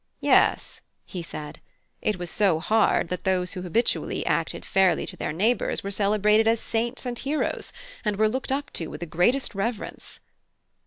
"Yes," he said, "it was so hard, that those who habitually acted fairly to their neighbours were celebrated as saints and heroes, and were looked up to with the greatest reverence."